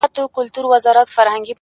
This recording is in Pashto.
د زړه لاسونه مو مات _ مات سول پسي _